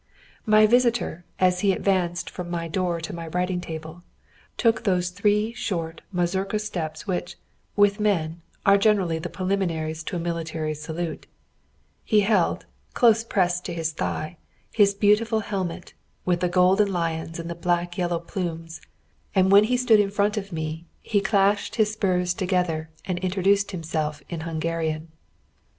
My visitor, as he advanced from my door to my writing table, took those three short mazurka steps which, with men, are generally the preliminaries to a military salute; he held, close pressed to his thigh, his beautiful helmet, with the golden lions and the black yellow plumes; and when he stood in front of me, he clashed his spurs together and introduced himself in Hungarian.